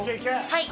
はい。